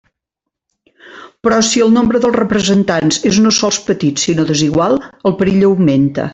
Però si el nombre dels representats és no sols petit sinó desigual, el perill augmenta.